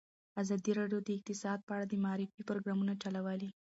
ازادي راډیو د اقتصاد په اړه د معارفې پروګرامونه چلولي.